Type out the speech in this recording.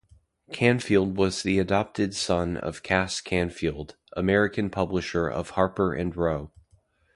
Canfield was the adopted son of Cass Canfield, American publisher of Harper and Row.